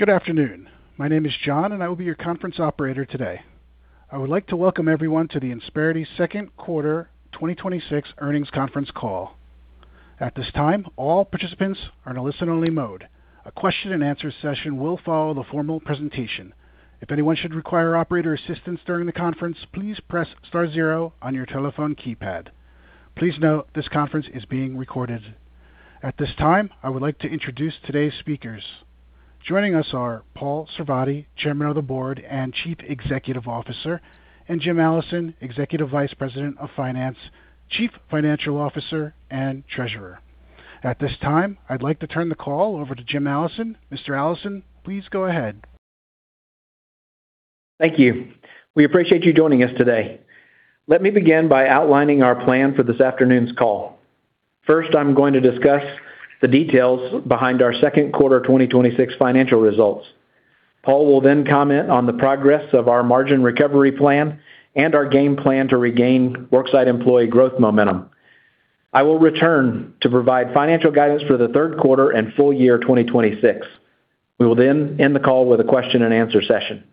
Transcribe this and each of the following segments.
Good afternoon. My name is John, and I will be your conference operator today. I would like to welcome everyone to the Insperity second quarter 2026 earnings conference call. At this time, all participants are in a listen only mode. A question and answer session will follow the formal presentation. If anyone should require operator assistance during the conference, please press star zero on your telephone keypad. Please note this conference is being recorded. At this time, I would like to introduce today's speakers. Joining us are Paul Sarvadi, Chairman of the Board and Chief Executive Officer, and Jim Allison, Executive Vice President of Finance, Chief Financial Officer, and Treasurer. At this time, I'd like to turn the call over to Jim Allison. Mr. Allison, please go ahead. Thank you. We appreciate you joining us today. Let me begin by outlining our plan for this afternoon's call. First, I'm going to discuss the details behind our second quarter 2026 financial results. Paul will then comment on the progress of our margin recovery plan and our game plan to regain worksite employee growth momentum. I will return to provide financial guidance for the third quarter and full year 2026. We will then end the call with a question and answer session.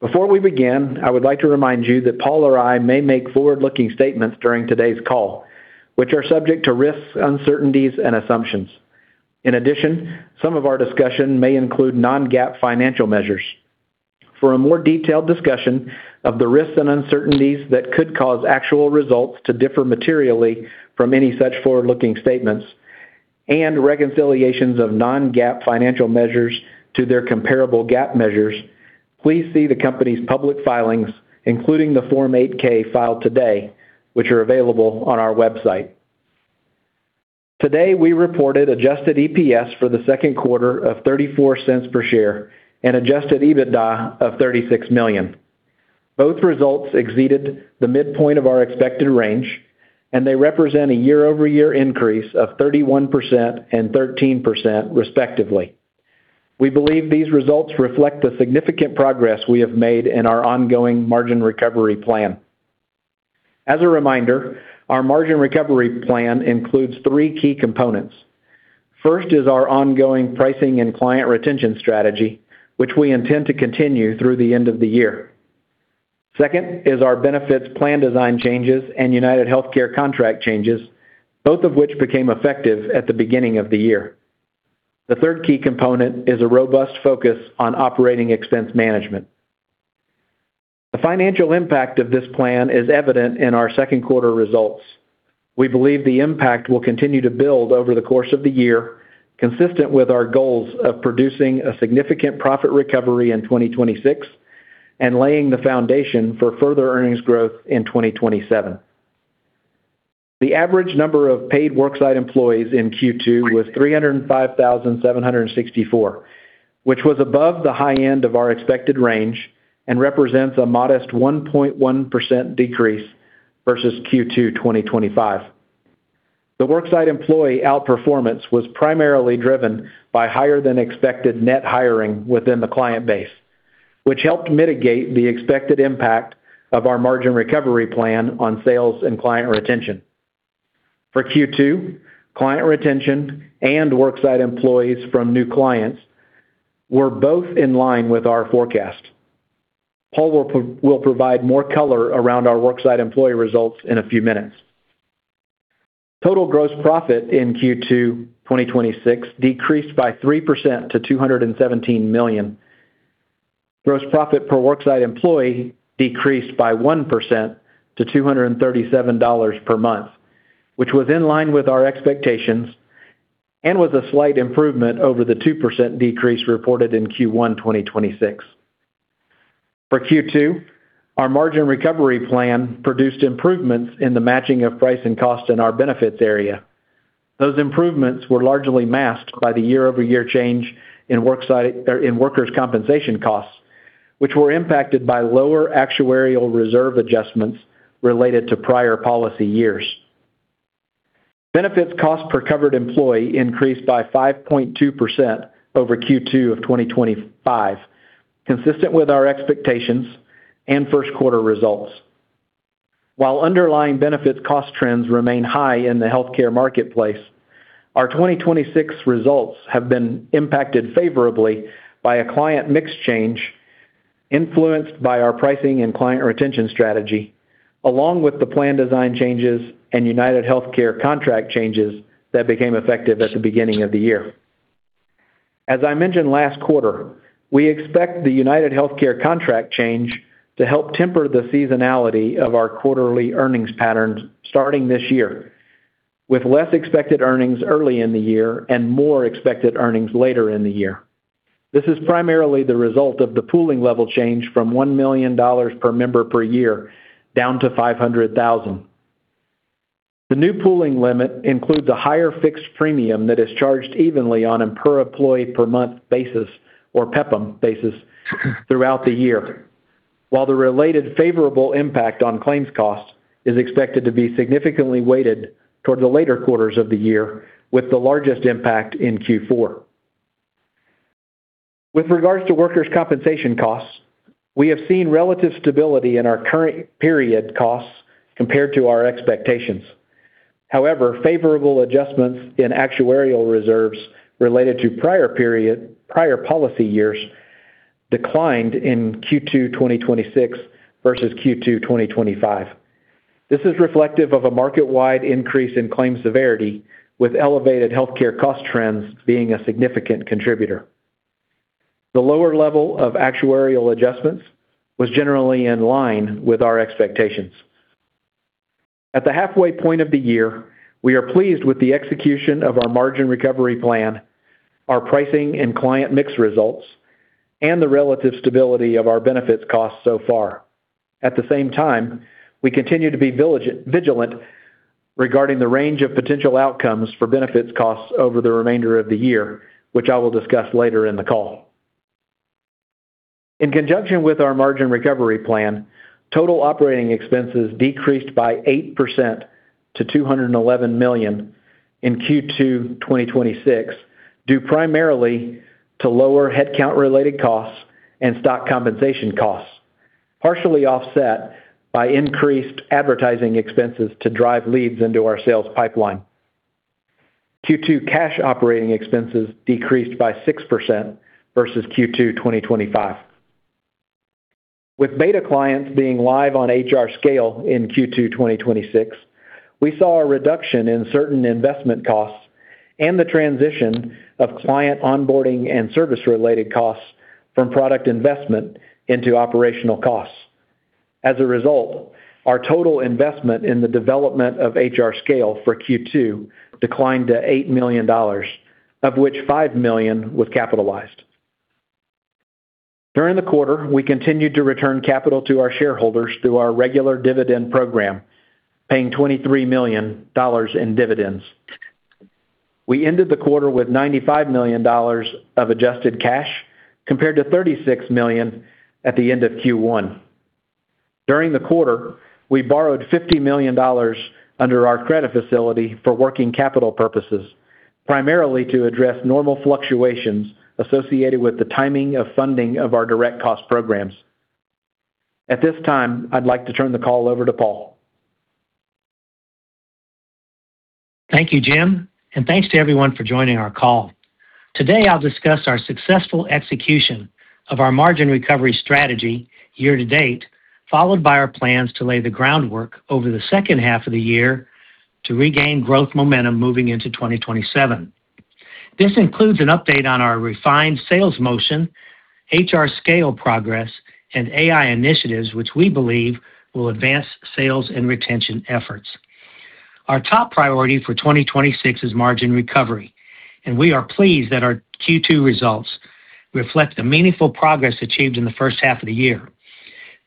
Before we begin, I would like to remind you that Paul or I may make forward-looking statements during today's call, which are subject to risks, uncertainties, and assumptions. In addition, some of our discussion may include non-GAAP financial measures. For a more detailed discussion of the risks and uncertainties that could cause actual results to differ materially from any such forward-looking statements and reconciliations of non-GAAP financial measures to their comparable GAAP measures, please see the company's public filings, including the Form 8-K filed today, which are available on our website. Today, we reported adjusted EPS for the second quarter of $0.34 per share and adjusted EBITDA of $36 million. Both results exceeded the midpoint of our expected range, and they represent a year-over-year increase of 31% and 13%, respectively. We believe these results reflect the significant progress we have made in our ongoing margin recovery plan. As a reminder, our margin recovery plan includes three key components. First is our ongoing pricing and client retention strategy, which we intend to continue through the end of the year. Second is our benefits plan design changes and UnitedHealthcare contract changes, both of which became effective at the beginning of the year. The third key component is a robust focus on operating expense management. The financial impact of this plan is evident in our second quarter results. We believe the impact will continue to build over the course of the year, consistent with our goals of producing a significant profit recovery in 2026 and laying the foundation for further earnings growth in 2027. The average number of paid worksite employees in Q2 was 305,764, which was above the high end of our expected range and represents a modest 1.1% decrease versus Q2 2025. The worksite employee outperformance was primarily driven by higher than expected net hiring within the client base, which helped mitigate the expected impact of our margin recovery plan on sales and client retention. For Q2, client retention and worksite employees from new clients were both in line with our forecast. Paul will provide more color around our worksite employee results in a few minutes. Total gross profit in Q2 2026 decreased by 3% to $217 million. Gross profit per worksite employee decreased by 1% to $237 per month, which was in line with our expectations and was a slight improvement over the 2% decrease reported in Q1 2026. For Q2, our margin recovery plan produced improvements in the matching of price and cost in our benefits area. Those improvements were largely masked by the year-over-year change in workers' compensation costs, which were impacted by lower actuarial reserve adjustments related to prior policy years. Benefits cost per covered employee increased by 5.2% over Q2 2025, consistent with our expectations and first quarter results. While underlying benefits cost trends remain high in the healthcare marketplace, our 2026 results have been impacted favorably by a client mix change influenced by our pricing and client retention strategy, along with the plan design changes and UnitedHealthcare contract changes that became effective at the beginning of the year. As I mentioned last quarter, we expect the UnitedHealthcare contract change to help temper the seasonality of our quarterly earnings patterns starting this year, with less expected earnings early in the year and more expected earnings later in the year. This is primarily the result of the pooling level change from $1 million per member per year down to $500,000. The new pooling limit includes a higher fixed premium that is charged evenly on a per employee per month basis or PEPM basis throughout the year. While the related favorable impact on claims cost is expected to be significantly weighted toward the later quarters of the year with the largest impact in Q4. With regards to workers' compensation costs, we have seen relative stability in our current period costs compared to our expectations. However, favorable adjustments in actuarial reserves related to prior policy years declined in Q2 2026 versus Q2 2025. This is reflective of a market-wide increase in claims severity, with elevated healthcare cost trends being a significant contributor. The lower level of actuarial adjustments was generally in line with our expectations. At the halfway point of the year, we are pleased with the execution of our margin recovery plan, our pricing and client mix results, and the relative stability of our benefits costs so far. At the same time, we continue to be vigilant regarding the range of potential outcomes for benefits costs over the remainder of the year, which I will discuss later in the call. In conjunction with our margin recovery plan, total operating expenses decreased by 8% to $211 million in Q2 2026, due primarily to lower headcount-related costs and stock compensation costs, partially offset by increased advertising expenses to drive leads into our sales pipeline. Q2 cash operating expenses decreased by 6% versus Q2 2025. With beta clients being live on Insperity HRScale in Q2 2026, we saw a reduction in certain investment costs and the transition of client onboarding and service-related costs from product investment into operational costs. As a result, our total investment in the development of Insperity HRScale for Q2 declined to $8 million, of which $5 million was capitalized. During the quarter, we continued to return capital to our shareholders through our regular dividend program, paying $23 million in dividends. We ended the quarter with $95 million of adjusted cash, compared to $36 million at the end of Q1. During the quarter, we borrowed $50 million under our credit facility for working capital purposes, primarily to address normal fluctuations associated with the timing of funding of our direct cost programs. At this time, I'd like to turn the call over to Paul. Thank you, Jim, and thanks to everyone for joining our call. Today, I'll discuss our successful execution of our margin recovery strategy year-to-date, followed by our plans to lay the groundwork over the second half of the year to regain growth momentum moving into 2027. This includes an update on our refined sales motion, Insperity HRScale progress, and AI initiatives, which we believe will advance sales and retention efforts. Our top priority for 2026 is margin recovery, and we are pleased that our Q2 results reflect the meaningful progress achieved in the first half of the year.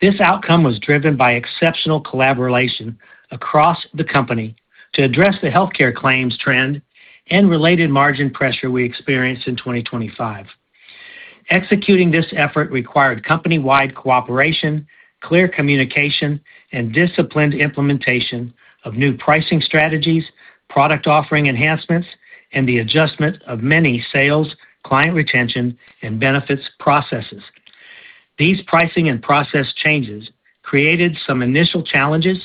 This outcome was driven by exceptional collaboration across the company to address the healthcare claims trend and related margin pressure we experienced in 2025. Executing this effort required company-wide cooperation, clear communication, and disciplined implementation of new pricing strategies, product offering enhancements, and the adjustment of many sales, client retention, and benefits processes. These pricing and process changes created some initial challenges,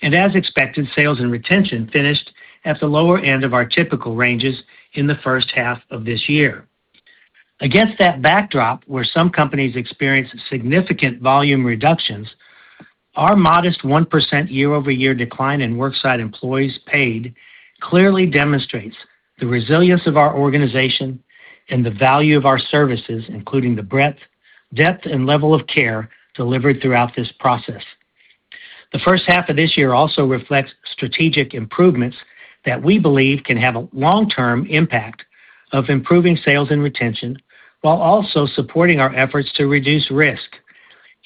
and as expected, sales and retention finished at the lower end of our typical ranges in the first half of this year. Against that backdrop, where some companies experienced significant volume reductions, our modest 1% year-over-year decline in worksite employees paid clearly demonstrates the resilience of our organization and the value of our services, including the breadth, depth, and level of care delivered throughout this process. The first half of this year also reflects strategic improvements that we believe can have a long-term impact of improving sales and retention while also supporting our efforts to reduce risk.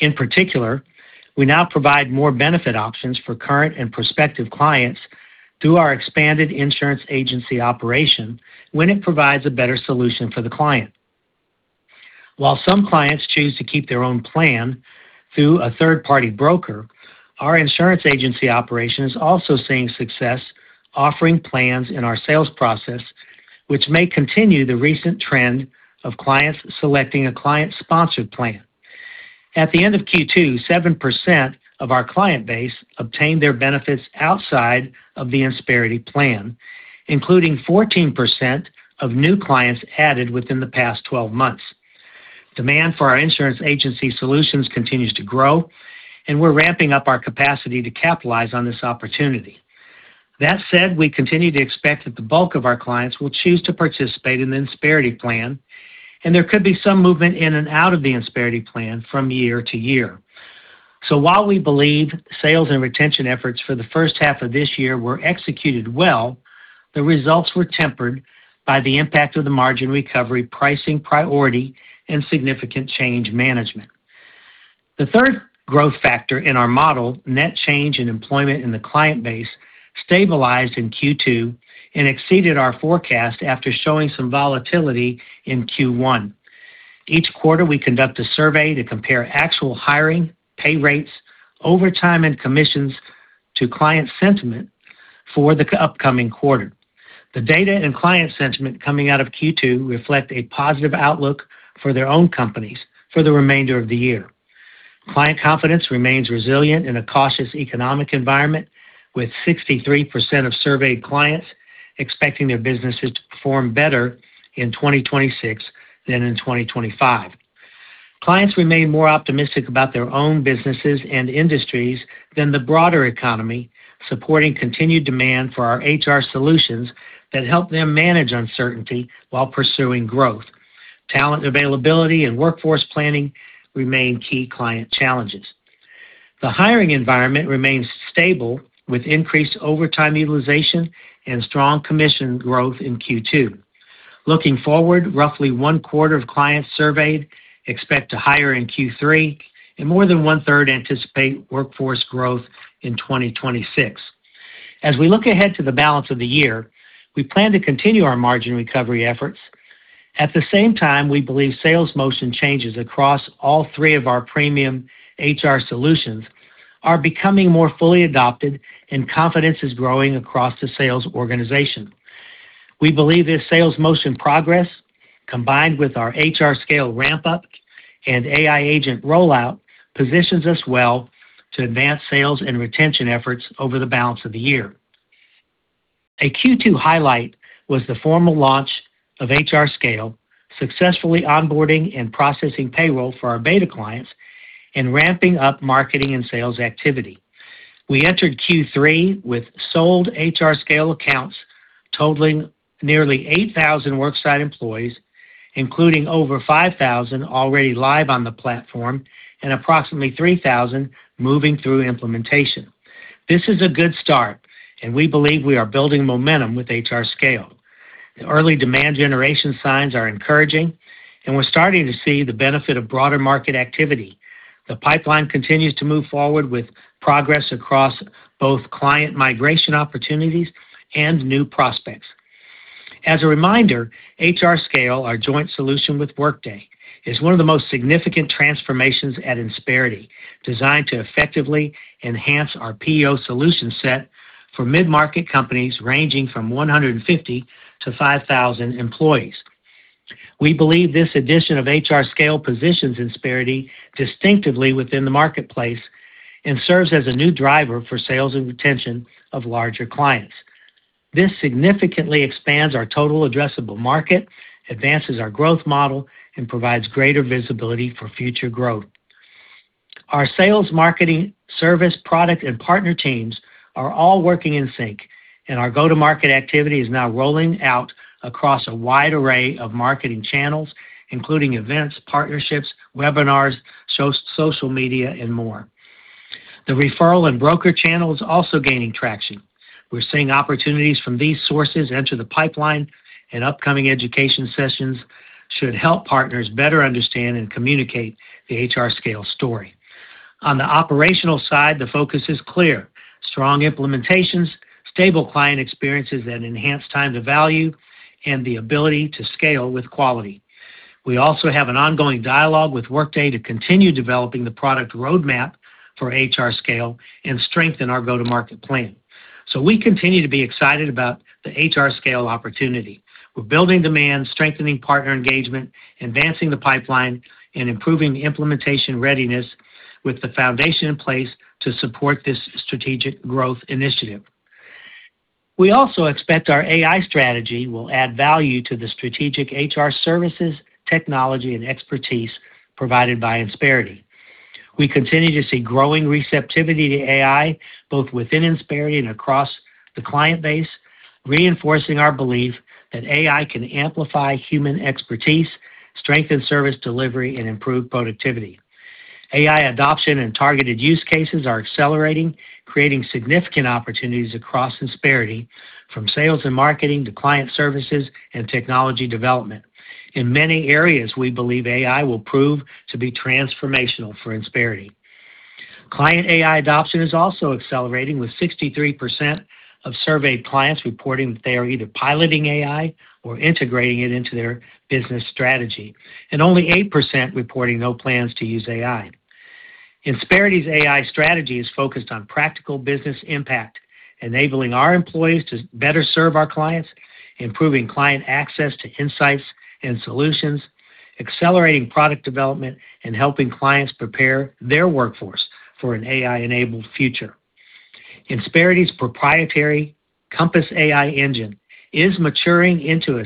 In particular, we now provide more benefit options for current and prospective clients through our expanded insurance agency operation when it provides a better solution for the client. While some clients choose to keep their own plan through a third-party broker, our insurance agency operation is also seeing success offering plans in our sales process, which may continue the recent trend of clients selecting a client-sponsored plan. At the end of Q2, 7% of our client base obtained their benefits outside of the Insperity plan, including 14% of new clients added within the past 12 months. Demand for our insurance agency solutions continues to grow, and we're ramping up our capacity to capitalize on this opportunity. That said, we continue to expect that the bulk of our clients will choose to participate in the Insperity plan, and there could be some movement in and out of the Insperity plan from year to year. While we believe sales and retention efforts for the first half of this year were executed well, the results were tempered by the impact of the margin recovery pricing priority and significant change management. The third growth factor in our model, net change in employment in the client base, stabilized in Q2 and exceeded our forecast after showing some volatility in Q1. Each quarter, we conduct a survey to compare actual hiring, pay rates, overtime, and commissions to client sentiment for the upcoming quarter. The data and client sentiment coming out of Q2 reflect a positive outlook for their own companies for the remainder of the year. Client confidence remains resilient in a cautious economic environment, with 63% of surveyed clients expecting their businesses to perform better in 2026 than in 2025. Clients remain more optimistic about their own businesses and industries than the broader economy, supporting continued demand for our HR solutions that help them manage uncertainty while pursuing growth. Talent availability and workforce planning remain key client challenges. The hiring environment remains stable, with increased overtime utilization and strong commission growth in Q2. Looking forward, roughly one-quarter of clients surveyed expect to hire in Q3, and more than one-third anticipate workforce growth in 2026. As we look ahead to the balance of the year, we plan to continue our margin recovery efforts. At the same time, we believe sales motion changes across all three of our premium HR solutions are becoming more fully adopted, and confidence is growing across the sales organization. We believe this sales motion progress, combined with our Insperity HRScale ramp-up and AI agent rollout, positions us well to advance sales and retention efforts over the balance of the year. A Q2 highlight was the formal launch of Insperity HRScale, successfully onboarding and processing payroll for our beta clients and ramping up marketing and sales activity. We entered Q3 with sold Insperity HRScale accounts totaling nearly 8,000 worksite employees, including over 5,000 already live on the platform and approximately 3,000 moving through implementation. This is a good start, and we believe we are building momentum with Insperity HRScale. The early demand generation signs are encouraging, and we're starting to see the benefit of broader market activity. The pipeline continues to move forward with progress across both client migration opportunities and new prospects. As a reminder, Insperity HRScale, our joint solution with Workday, is one of the most significant transformations at Insperity, designed to effectively enhance our PEO solution set for mid-market companies ranging from 150 to 5,000 employees. We believe this addition of Insperity HRScale positions Insperity distinctively within the marketplace and serves as a new driver for sales and retention of larger clients. This significantly expands our total addressable market, advances our growth model, and provides greater visibility for future growth. Our sales, marketing, service, product, and partner teams are all working in sync, and our go-to-market activity is now rolling out across a wide array of marketing channels, including events, partnerships, webinars, social media, and more. The referral and broker channel is also gaining traction. We're seeing opportunities from these sources enter the pipeline, and upcoming education sessions should help partners better understand and communicate the Insperity HRScale story. On the operational side, the focus is clear. Strong implementations, stable client experiences that enhance time to value, and the ability to scale with quality. We also have an ongoing dialogue with Workday to continue developing the product roadmap for Insperity HRScale and strengthen our go-to-market plan. We continue to be excited about the Insperity HRScale opportunity. We're building demand, strengthening partner engagement, advancing the pipeline, and improving the implementation readiness with the foundation in place to support this strategic growth initiative. We also expect our AI strategy will add value to the strategic HR services, technology, and expertise provided by Insperity. We continue to see growing receptivity to AI, both within Insperity and across the client base, reinforcing our belief that AI can amplify human expertise, strengthen service delivery, and improve productivity. AI adoption and targeted use cases are accelerating, creating significant opportunities across Insperity from sales and marketing to client services and technology development. In many areas, we believe AI will prove to be transformational for Insperity. Client AI adoption is also accelerating, with 63% of surveyed clients reporting that they are either piloting AI or integrating it into their business strategy, and only 8% reporting no plans to use AI. Insperity's AI strategy is focused on practical business impact, enabling our employees to better serve our clients, improving client access to insights and solutions, accelerating product development, and helping clients prepare their workforce for an AI-enabled future. Insperity's proprietary Compass AI engine is maturing into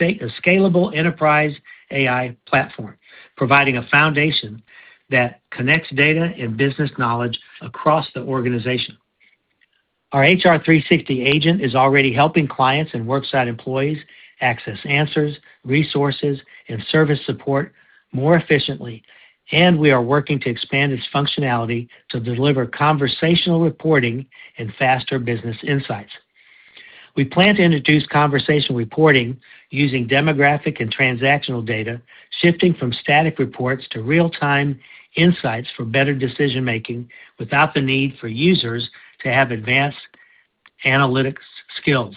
a scalable enterprise AI platform, providing a foundation that connects data and business knowledge across the organization. Our Insperity HR360 agent is already helping clients and worksite employees access answers, resources, and service support more efficiently, and we are working to expand its functionality to deliver conversational reporting and faster business insights. We plan to introduce conversation reporting using demographic and transactional data, shifting from static reports to real-time insights for better decision-making without the need for users to have advanced analytics skills.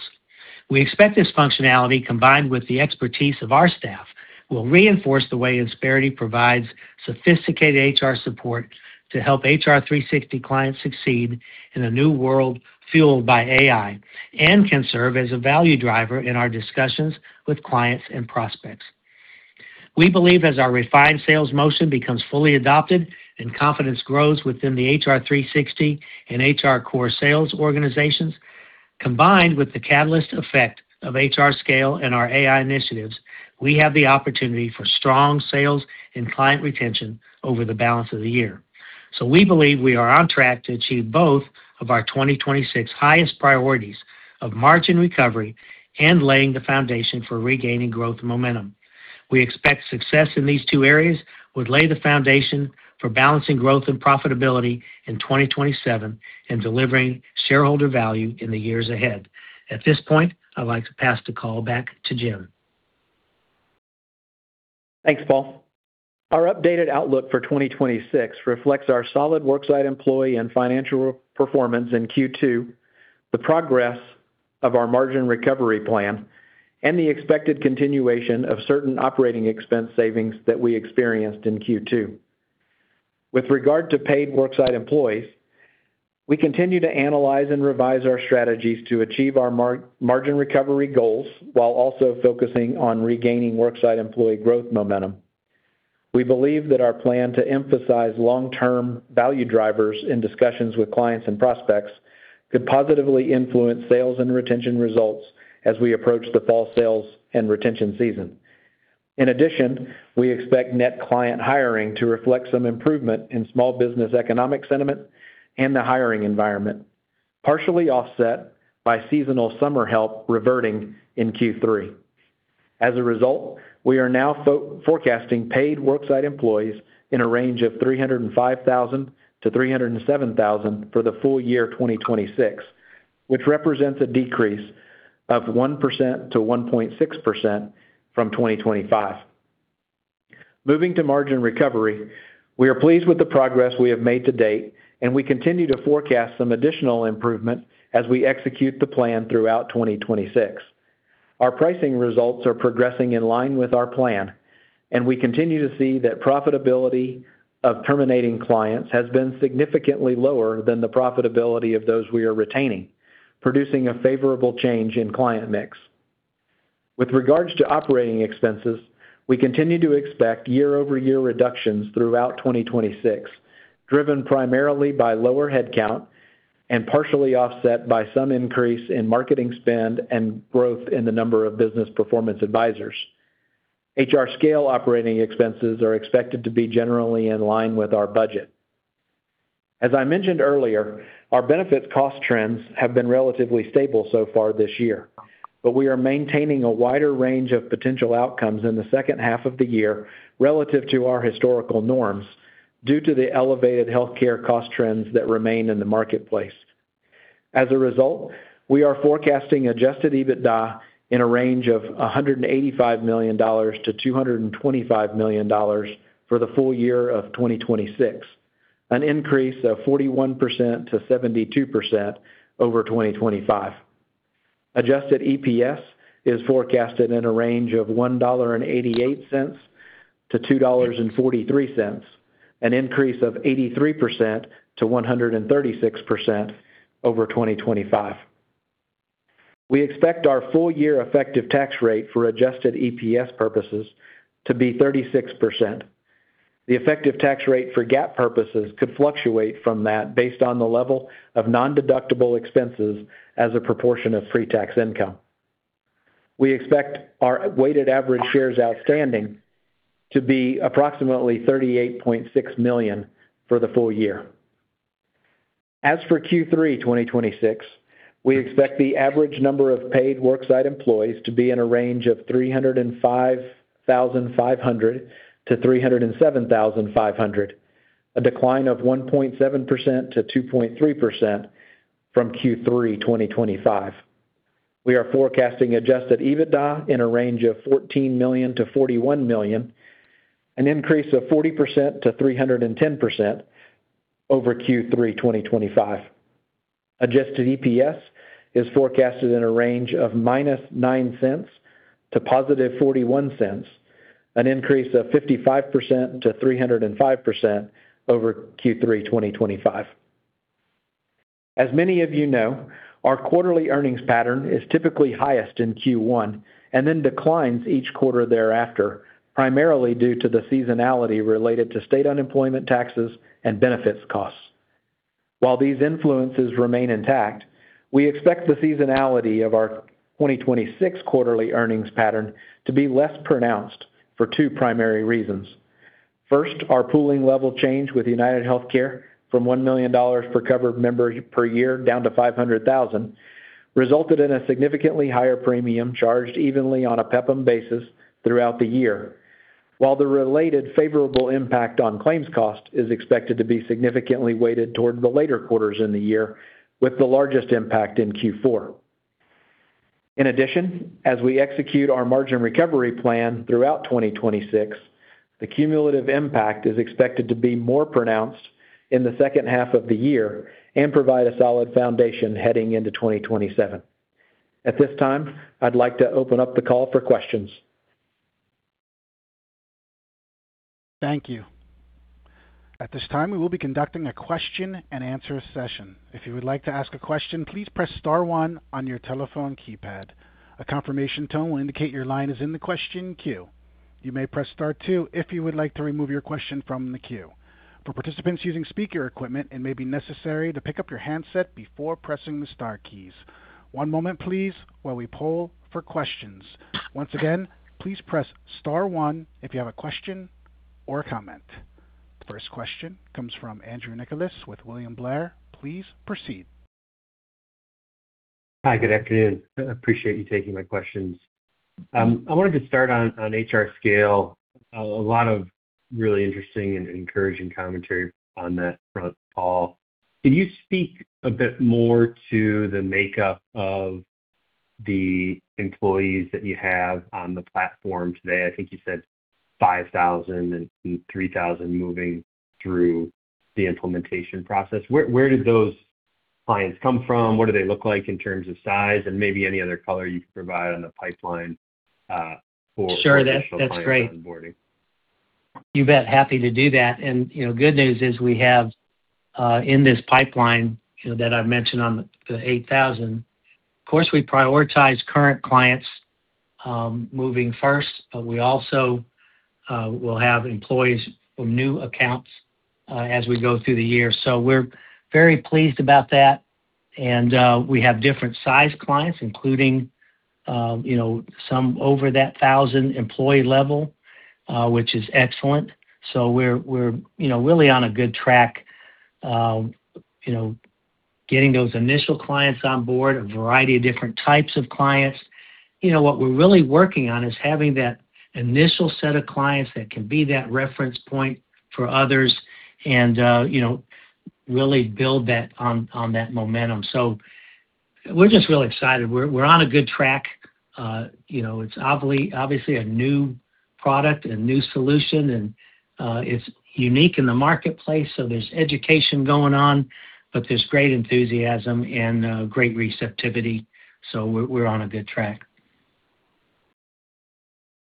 We expect this functionality, combined with the expertise of our staff will reinforce the way Insperity provides sophisticated HR support to help HR360 clients succeed in a new world fueled by AI, and can serve as a value driver in our discussions with clients and prospects. We believe as our refined sales motion becomes fully adopted and confidence grows within the HR360 and Insperity HRCore sales organizations, combined with the catalyst effect of Insperity HRScale and our AI initiatives, we have the opportunity for strong sales and client retention over the balance of the year. We believe we are on track to achieve both of our 2026 highest priorities of margin recovery and laying the foundation for regaining growth momentum. We expect success in these two areas would lay the foundation for balancing growth and profitability in 2027 and delivering shareholder value in the years ahead. At this point, I'd like to pass the call back to Jim. Thanks, Paul. Our updated outlook for 2026 reflects our solid worksite employee and financial performance in Q2, the progress of our margin recovery plan, and the expected continuation of certain operating expense savings that we experienced in Q2. With regard to paid worksite employees, we continue to analyze and revise our strategies to achieve our margin recovery goals while also focusing on regaining worksite employee growth momentum. We believe that our plan to emphasize long-term value drivers in discussions with clients and prospects could positively influence sales and retention results as we approach the fall sales and retention season. In addition, we expect net client hiring to reflect some improvement in small business economic sentiment and the hiring environment, partially offset by seasonal summer help reverting in Q3. As a result, we are now forecasting paid worksite employees in a range of 305,000 to 307,000 for the full year 2026, which represents a decrease of 1%-1.6% from 2025. Moving to margin recovery, we are pleased with the progress we have made to date, and we continue to forecast some additional improvement as we execute the plan throughout 2026. Our pricing results are progressing in line with our plan, and we continue to see that profitability of terminating clients has been significantly lower than the profitability of those we are retaining, producing a favorable change in client mix. With regards to operating expenses, we continue to expect year-over-year reductions throughout 2026, driven primarily by lower headcount and partially offset by some increase in marketing spend and growth in the number of Business Performance Advisors. Insperity HRScale operating expenses are expected to be generally in line with our budget. As I mentioned earlier, our benefits cost trends have been relatively stable so far this year, but we are maintaining a wider range of potential outcomes in the second half of the year relative to our historical norms due to the elevated healthcare cost trends that remain in the marketplace. As a result, we are forecasting adjusted EBITDA in a range of $185 million-$225 million for the full year of 2026, an increase of 41%-72% over 2025. Adjusted EPS is forecasted in a range of $1.88-$2.43, an increase of 83%-136% over 2025. We expect our full year effective tax rate for adjusted EPS purposes to be 36%. The effective tax rate for GAAP purposes could fluctuate from that based on the level of nondeductible expenses as a proportion of free tax income. We expect our weighted average shares outstanding to be approximately 38.6 million for the full year. As for Q3 2026, we expect the average number of paid worksite employees to be in a range of 305,500 to 307,500, a decline of 1.7%-2.3% from Q3 2025. We are forecasting adjusted EBITDA in a range of $14 million-$41 million, an increase of 40%-310% over Q3 2025. Adjusted EPS is forecasted in a range of -$0.09 to +$0.41, an increase of 55%-305% over Q3 2025. As many of you know, our quarterly earnings pattern is typically highest in Q1 and then declines each quarter thereafter, primarily due to the seasonality related to state unemployment taxes and benefits costs. While these influences remain intact, we expect the seasonality of our 2026 quarterly earnings pattern to be less pronounced for two primary reasons. First, our pooling level change with UnitedHealthcare from $1 million per covered member per year down to $500,000, resulted in a significantly higher premium charged evenly on a PEPM basis throughout the year. While the related favorable impact on claims cost is expected to be significantly weighted toward the later quarters in the year, with the largest impact in Q4. As we execute our margin recovery plan throughout 2026. The cumulative impact is expected to be more pronounced in the second half of the year and provide a solid foundation heading into 2027. At this time, I'd like to open up the call for questions. Thank you. At this time, we will be conducting a question and answer session. If you would like to ask a question, please press star one on your telephone keypad. A confirmation tone will indicate your line is in the question queue. You may press star two if you would like to remove your question from the queue. For participants using speaker equipment, it may be necessary to pick up your handset before pressing the star keys. One moment, please, while we poll for questions. Once again, please press star one if you have a question or a comment. The first question comes from Andrew Nicholas with William Blair. Please proceed. Hi, good afternoon. I appreciate you taking my questions. I wanted to start on Insperity HRScale. A lot of really interesting and encouraging commentary on that front, Paul. Can you speak a bit more to the makeup of the employees that you have on the platform today? I think you said 5,000 and 3,000 moving through the implementation process. Where did those clients come from? What do they look like in terms of size and maybe any other color you can provide on the pipeline for Sure. That's great onboarding. You bet. Happy to do that. Good news is we have, in this pipeline that I mentioned on the 8,000, of course, we prioritize current clients moving first. We also will have employees from new accounts as we go through the year. We're very pleased about that. We have different size clients, including some over that 1,000 employee level, which is excellent. We're really on a good track getting those initial clients on board, a variety of different types of clients. What we're really working on is having that initial set of clients that can be that reference point for others and really build on that momentum. We're just real excited. We're on a good track. It's obviously a new product and a new solution, and it's unique in the marketplace, there's education going on, but there's great enthusiasm and great receptivity. We're on a good track.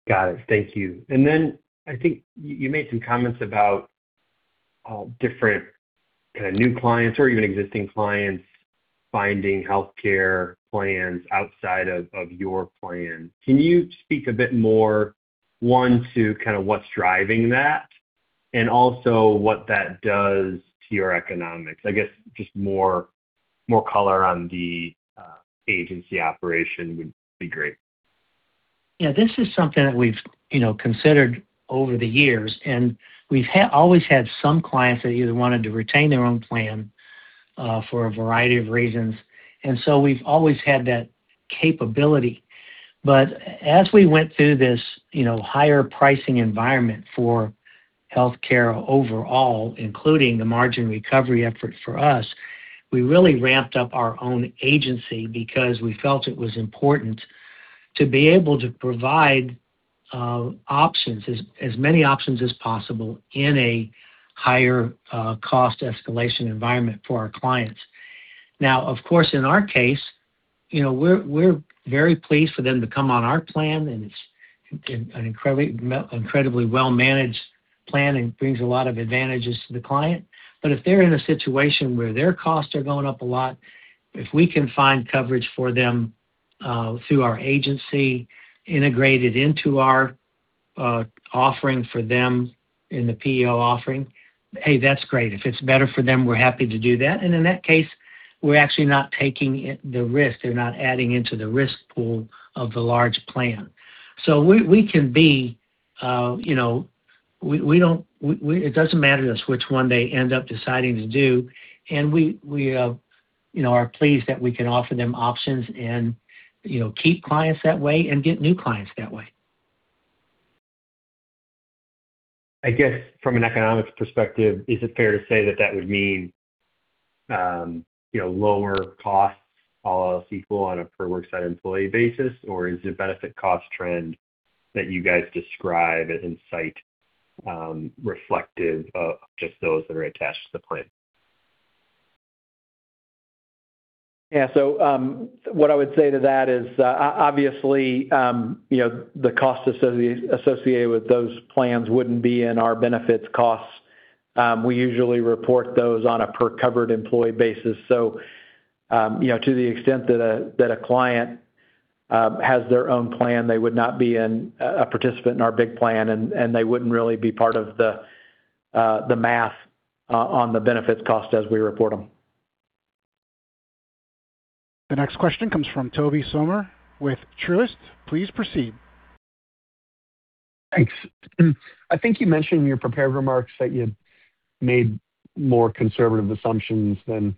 Got it. Thank you. Then I think you made some comments about different kind of new clients or even existing clients finding healthcare plans outside of your plan. Can you speak a bit more, one, to what's driving that, and also what that does to your economics? I guess, just more color on the agency operation would be great. Yeah. This is something that we've considered over the years, we've always had some clients that either wanted to retain their own plan for a variety of reasons. We've always had that capability. As we went through this higher pricing environment for healthcare overall, including the margin recovery effort for us, we really ramped up our own agency because we felt it was important to be able to provide as many options as possible in a higher cost escalation environment for our clients. Now, of course, in our case, we're very pleased for them to come on our plan, it's an incredibly well-managed plan and brings a lot of advantages to the client. If they're in a situation where their costs are going up a lot, if we can find coverage for them through our agency integrated into our offering for them in the PEO offering, hey, that's great. If it's better for them, we're happy to do that. In that case, we're actually not taking the risk. They're not adding into the risk pool of the large plan. It doesn't matter to us which one they end up deciding to do, and we are pleased that we can offer them options and keep clients that way and get new clients that way. I guess from an economics perspective, is it fair to say that that would mean lower costs, all else equal on a per worksite employee basis? Or is the benefit cost trend that you guys describe as insight reflective of just those that are attached to the plan? What I would say to that is, obviously, the cost associated with those plans wouldn't be in our benefits costs. We usually report those on a per covered employee basis. To the extent that a client has their own plan, they would not be a participant in our big plan, and they wouldn't really be part of the math on the benefits cost as we report them. The next question comes from Tobey Sommer with Truist. Please proceed. Thanks. I think you mentioned in your prepared remarks that you had made more conservative assumptions than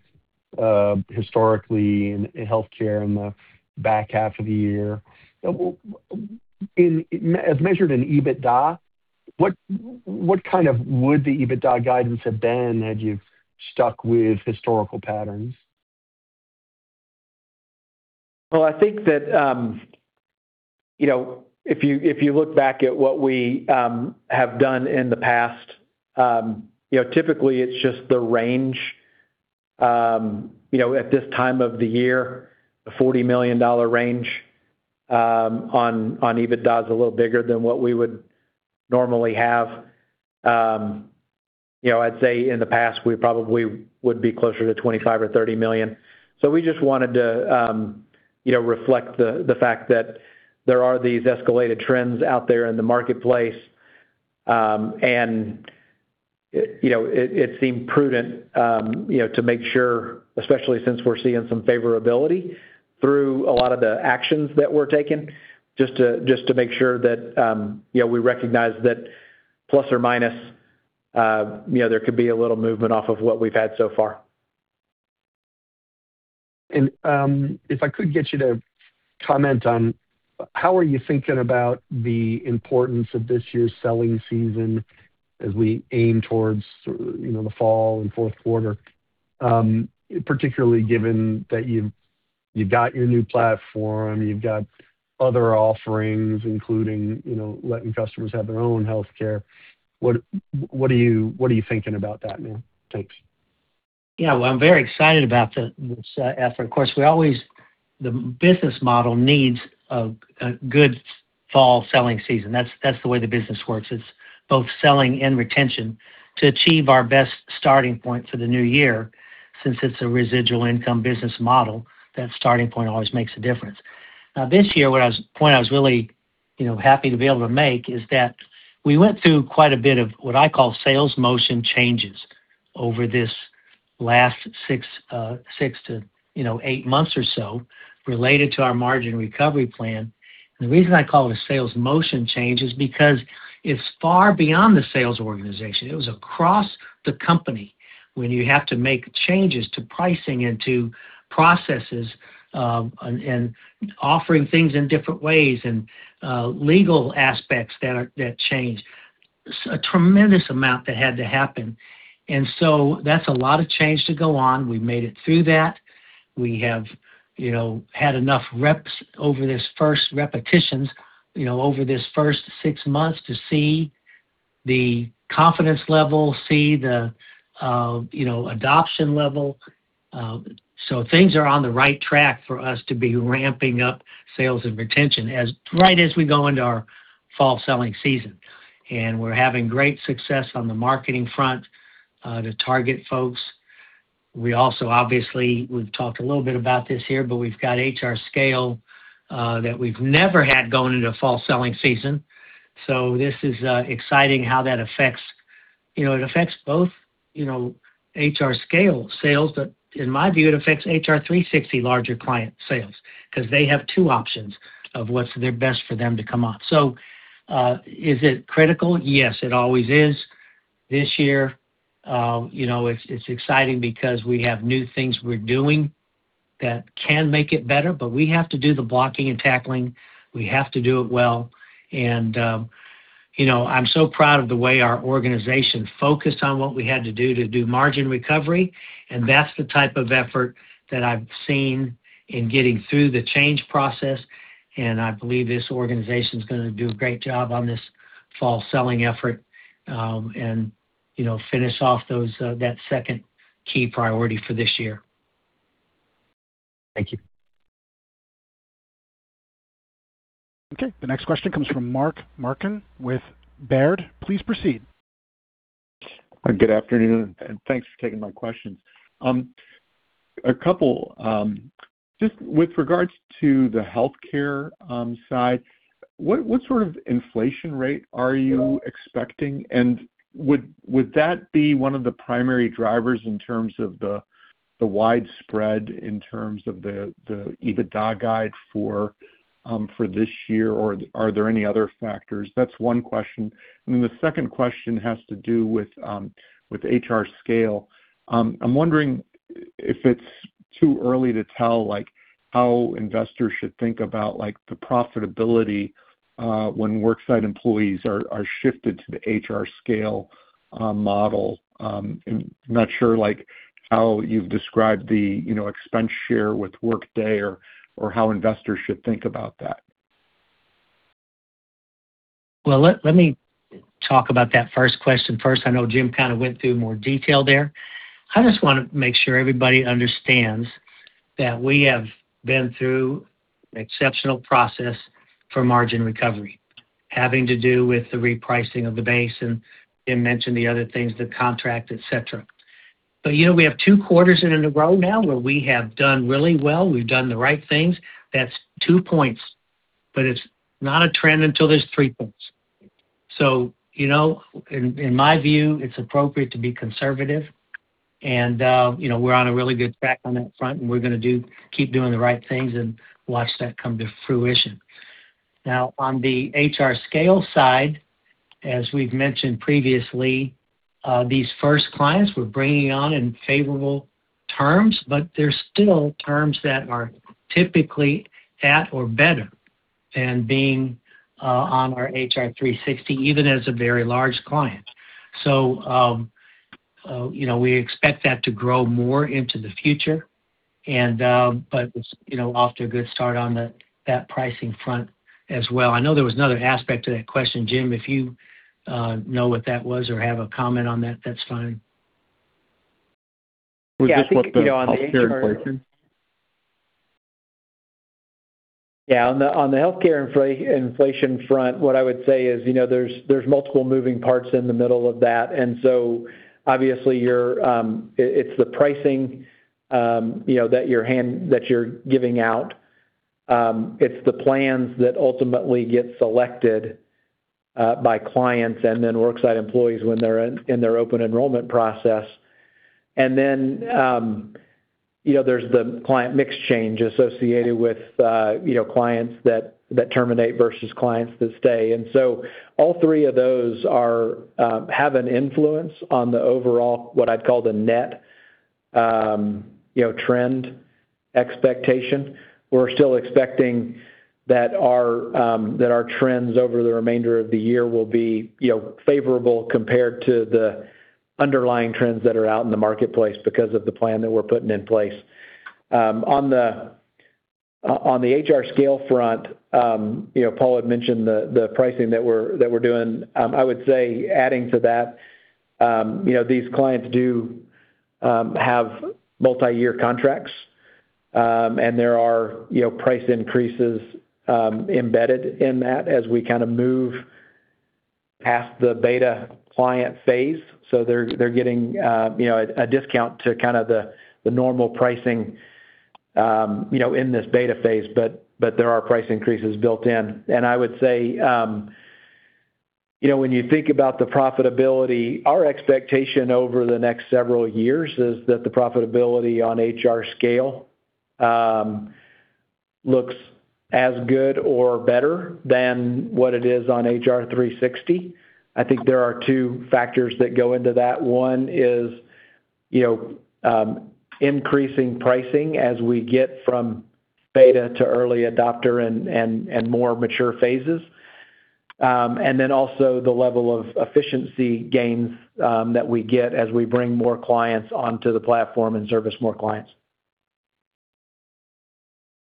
historically in healthcare in the back half of the year. As measured in EBITDA, what kind of would the EBITDA guidance have been had you stuck with historical patterns? Well, I think that, if you look back at what we have done in the past, typically it's just the range, at this time of the year, the $40 million range on EBITDA is a little bigger than what we would normally have. I'd say in the past, we probably would be closer to $25 or $30 million. We just wanted to reflect the fact that there are these escalated trends out there in the marketplace, and it seemed prudent to make sure, especially since we're seeing some favorability through a lot of the actions that were taken, just to make sure that we recognize that plus or minus, there could be a little movement off of what we've had so far. If I could get you to comment on how are you thinking about the importance of this year's selling season as we aim towards the fall and fourth quarter, particularly given that you've got your new platform, you've got other offerings, including letting customers have their own healthcare. What are you thinking about that, Neil? Thanks. Yeah. Well, I'm very excited about this effort. Of course, the business model needs a good fall selling season. That's the way the business works. It's both selling and retention to achieve our best starting point for the new year, since it's a residual income business model, that starting point always makes a difference. Now, this year, the point I was really happy to be able to make is that we went through quite a bit of what I call sales motion changes over this last six to eight months or so related to our margin recovery plan. The reason I call it a sales motion change is because it's far beyond the sales organization. It was across the company, when you have to make changes to pricing and to processes, and offering things in different ways, and legal aspects that change. A tremendous amount that had to happen. That's a lot of change to go on. We've made it through that. We have had enough repetitions over this first six months to see the confidence level, see the adoption level. Things are on the right track for us to be ramping up sales and retention right as we go into our fall selling season. We're having great success on the marketing front, to target folks. We also, obviously, we've talked a little bit about this here, but we've got Insperity HRScale that we've never had going into fall selling season. This is exciting how that affects both Insperity HRScale sales, but in my view, it affects Insperity HR360 larger client sales, because they have two options of what's their best for them to come on. Is it critical? Yes, it always is. This year, it's exciting because we have new things we're doing that can make it better, but we have to do the blocking and tackling. We have to do it well. I'm so proud of the way our organization focused on what we had to do to do margin recovery, and that's the type of effort that I've seen in getting through the change process. I believe this organization's going to do a great job on this fall selling effort, and finish off that second key priority for this year. Thank you. The next question comes from Mark Marcon with Baird. Please proceed. Good afternoon, and thanks for taking my questions. A couple, just with regards to the healthcare side, what sort of inflation rate are you expecting? Would that be one of the primary drivers in terms of the widespread, in terms of the EBITDA guide for this year? Are there any other factors? That's one question. The second question has to do with Insperity HRScale. I'm wondering if it's too early to tell, how investors should think about the profitability, when worksite employees are shifted to the Insperity HRScale model. I'm not sure how you've described the expense share with Workday or how investors should think about that. Well, let me talk about that first question first. I know Jim kind of went through more detail there. I just want to make sure everybody understands that we have been through exceptional process for margin recovery, having to do with the repricing of the base, and Jim mentioned the other things, the contract, et cetera. We have two quarters in a row now where we have done really well. We've done the right things. That's two points, but it's not a trend until there's three points. In my view, it's appropriate to be conservative, and we're on a really good track on that front, and we're going to keep doing the right things and watch that come to fruition. On the Insperity HRScale side, as we've mentioned previously, these first clients we're bringing on in favorable terms, but they're still terms that are typically at or better And being on our Insperity HR360, even as a very large client. We expect that to grow more into the future, but it's off to a good start on that pricing front as well. I know there was another aspect to that question, Jim, if you know what that was or have a comment on that's fine. Was this what the healthcare inflation? Yeah. On the healthcare inflation front, what I would say is, there's multiple moving parts in the middle of that. Obviously it's the pricing that you're giving out. It's the plans that ultimately get selected by clients and then worksite employees when they're in their open enrollment process. There's the client mix change associated with clients that terminate versus clients that stay. All three of those have an influence on the overall, what I'd call the net, trend expectation. We're still expecting that our trends over the remainder of the year will be favorable compared to the underlying trends that are out in the marketplace because of the plan that we're putting in place. On the Insperity HRScale front, Paul had mentioned the pricing that we're doing. I would say adding to that, these clients do have multi-year contracts. There are price increases embedded in that as we move past the beta client phase. They're getting a discount to the normal pricing in this beta phase, but there are price increases built in. I would say, when you think about the profitability, our expectation over the next several years is that the profitability on Insperity HRScale looks as good or better than what it is on HR360. I think there are two factors that go into that. One is, increasing pricing as we get from beta to early adopter and more mature phases. Also the level of efficiency gains that we get as we bring more clients onto the platform and service more clients.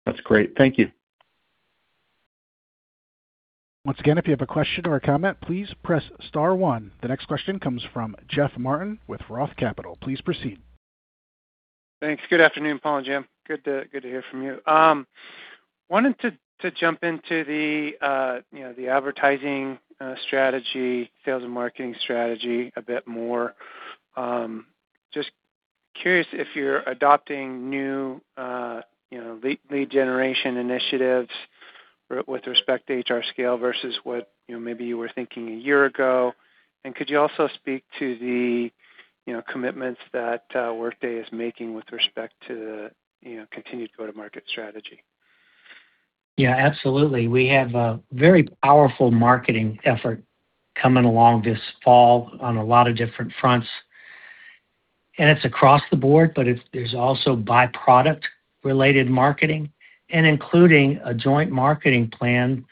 That's great. Thank you. Once again, if you have a question or a comment, please press star one. The next question comes from Jeff Martin with Roth Capital. Please proceed. Thanks. Good afternoon, Paul and Jim. Good to hear from you. Wanted to jump into the advertising strategy, sales and marketing strategy a bit more. Just curious if you're adopting new lead generation initiatives with respect to Insperity HRScale versus what maybe you were thinking a year ago. Could you also speak to the commitments that Workday is making with respect to continued go-to-market strategy? Yeah, absolutely. We have a very powerful marketing effort coming along this fall on a lot of different fronts, and it's across the board, but there's also by-product related marketing and including a joint marketing plan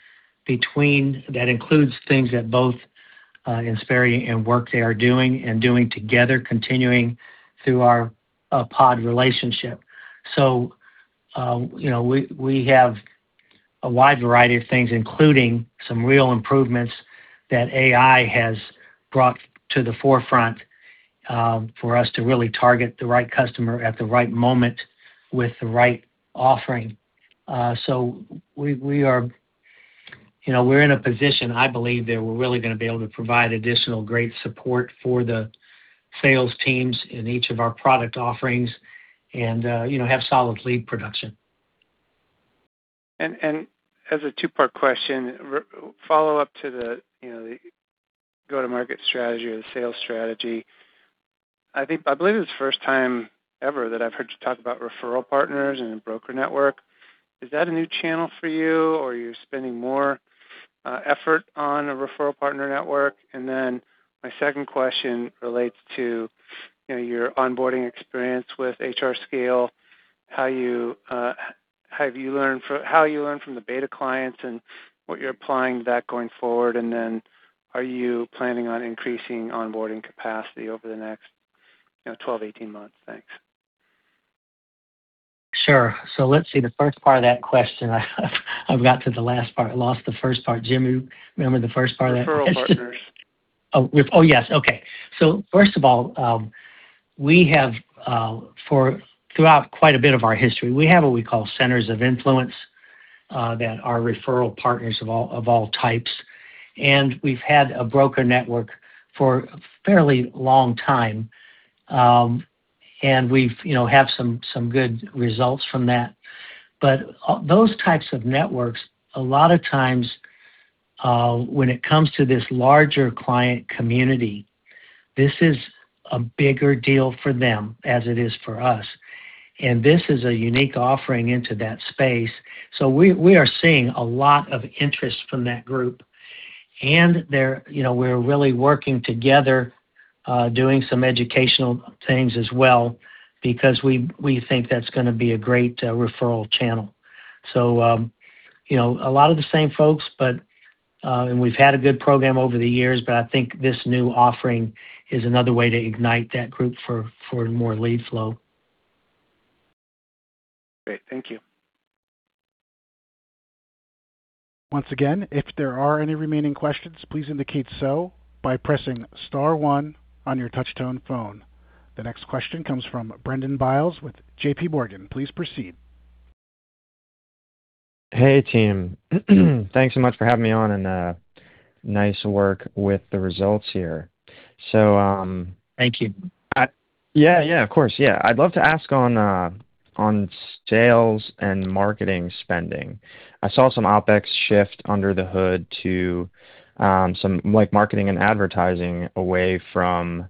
that includes things that both Insperity and Workday are doing and doing together, continuing through our pod relationship. We have a wide variety of things, including some real improvements that AI has brought to the forefront, for us to really target the right customer at the right moment with the right offering. We're in a position, I believe, that we're really going to be able to provide additional great support for the sales teams in each of our product offerings and have solid lead production. As a two-part question, follow-up to the go-to-market strategy or the sales strategy. I believe it's the first time ever that I've heard you talk about referral partners and a broker network. Is that a new channel for you, or are you spending more effort on a referral partner network? My second question relates to your onboarding experience with Insperity HRScale, how you learn from the beta clients and what you're applying that going forward. Are you planning on increasing onboarding capacity over the next 12, 18 months? Thanks. Sure. Let's see, the first part of that question, I've got to the last part. I lost the first part. Jim, you remember the first part of that question? Referral partners. Oh, yes. Okay. First of all, throughout quite a bit of our history, we have what we call centers of influence, that are referral partners of all types. We've had a broker network for a fairly long time. We've had some good results from that. Those types of networks, a lot of times, when it comes to this larger client community, this is a bigger deal for them as it is for us. This is a unique offering into that space. We are seeing a lot of interest from that group, and we're really working together doing some educational things as well because we think that's going to be a great referral channel. A lot of the same folks, we've had a good program over the years, I think this new offering is another way to ignite that group for more lead flow. Great. Thank you. Once again, if there are any remaining questions, please indicate so by pressing star one on your touch-tone phone. The next question comes from Brendan Biles with JPMorgan. Please proceed. Hey, team. Thanks so much for having me on, nice work with the results here. Thank you. Yeah. Of course. I'd love to ask on sales and marketing spending. I saw some OPEX shift under the hood to some marketing and advertising away from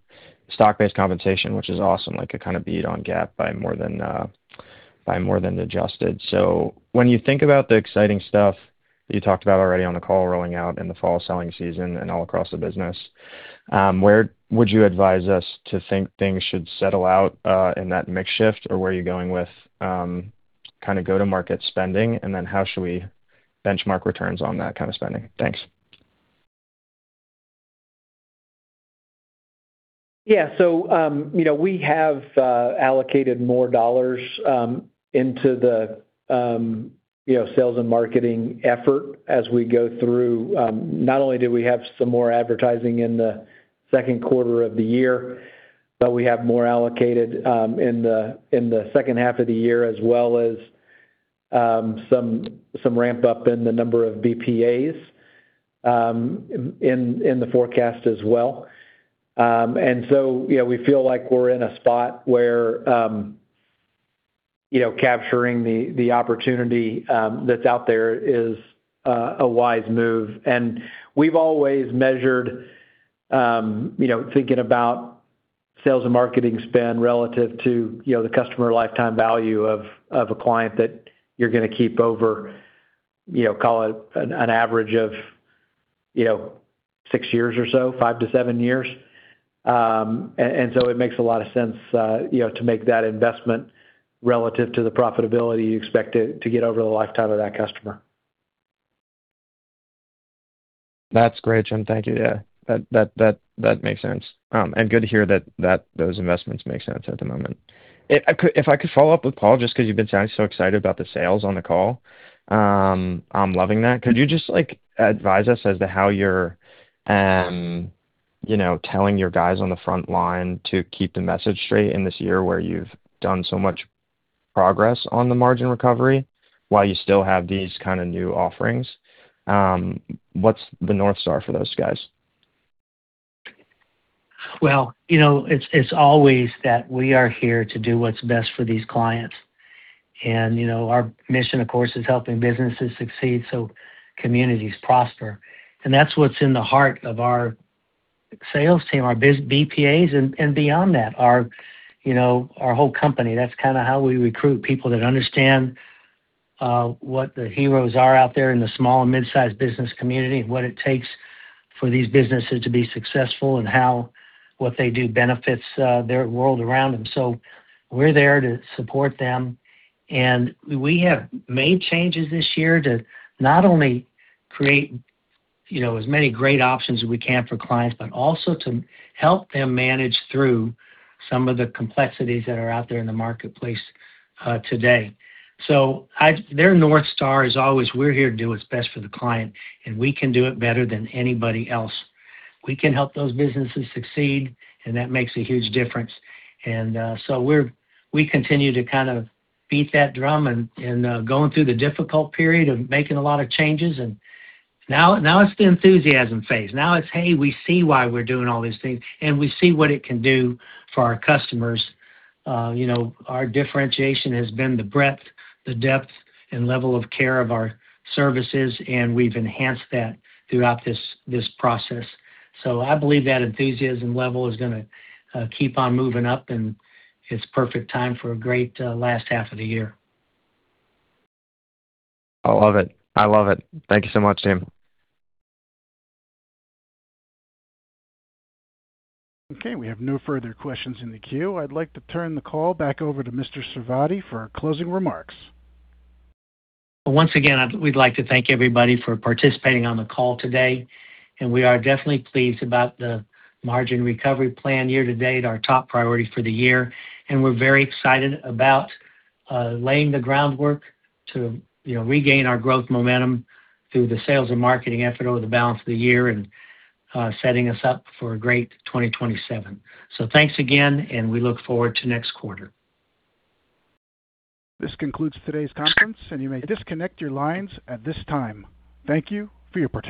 stock-based compensation, which is awesome, like a kind of beat on GAAP by more than adjusted. When you think about the exciting stuff that you talked about already on the call rolling out in the fall selling season and all across the business, where would you advise us to think things should settle out in that mix shift? Where are you going with kind of go-to-market spending, and then how should we benchmark returns on that kind of spending? Thanks. We have allocated more dollars into the sales and marketing effort as we go through. Not only do we have some more advertising in the second quarter of the year, but we have more allocated in the second half of the year, as well as some ramp-up in the number of BPAs in the forecast as well. We feel like we're in a spot where capturing the opportunity that's out there is a wise move. We've always measured, thinking about sales and marketing spend relative to the customer lifetime value of a client that you're going to keep over, call it an average of six years or so, five to seven years. It makes a lot of sense to make that investment relative to the profitability you expect to get over the lifetime of that customer. That's great, Jim. Thank you. Yeah, that makes sense. Good to hear that those investments make sense at the moment. If I could follow up with Paul, just because you've been sounding so excited about the sales on the call. I'm loving that. Could you just advise us as to how you're telling your guys on the front line to keep the message straight in this year where you've done so much progress on the margin recovery while you still have these kind of new offerings? What's the North Star for those guys? Well, it's always that we are here to do what's best for these clients. Our mission, of course, is helping businesses succeed so communities prosper. That's what's in the heart of our sales team, our BPAs, and beyond that, our whole company. That's kind of how we recruit people that understand what the heroes are out there in the small and mid-size business community, and what it takes for these businesses to be successful and how what they do benefits their world around them. We're there to support them. We have made changes this year to not only create as many great options as we can for clients, but also to help them manage through some of the complexities that are out there in the marketplace today. Their North Star is always we're here to do what's best for the client, and we can do it better than anybody else. We can help those businesses succeed, and that makes a huge difference. We continue to kind of beat that drum and going through the difficult period of making a lot of changes. Now it's the enthusiasm phase. Now it's, hey, we see why we're doing all these things, and we see what it can do for our customers. Our differentiation has been the breadth, the depth, and level of care of our services, and we've enhanced that throughout this process. I believe that enthusiasm level is going to keep on moving up, and it's perfect time for a great last half of the year. I love it. Thank you so much, Jim. Okay. We have no further questions in the queue. I'd like to turn the call back over to Mr. Sarvadi for our closing remarks. Once again, we'd like to thank everybody for participating on the call today, and we are definitely pleased about the margin recovery plan year-to-date, our top priority for the year. We're very excited about laying the groundwork to regain our growth momentum through the sales and marketing effort over the balance of the year and setting us up for a great 2027. Thanks again, and we look forward to next quarter. This concludes today's conference. You may disconnect your lines at this time. Thank you for your participation.